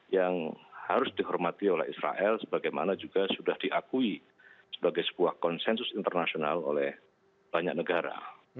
yang harus dihormati oleh israel sebagaimana juga sudah diakui sebagai sebuah konsensus internasional oleh banyak negara